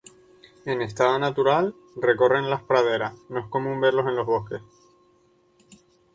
En estado natural recorren las praderas, no es común verlos en los bosques.